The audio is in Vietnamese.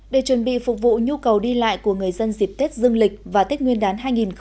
để chuẩn bị phục vụ nhu cầu đi lại của người dân dịp tết dương lịch và tết nguyên đán hai nghìn hai mươi